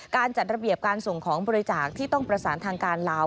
การจัดระเบียบการส่งของบริจาคที่ต้องประสานทางการลาว